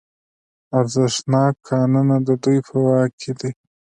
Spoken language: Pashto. ارزښتناک کانونه د دوی په واک کې دي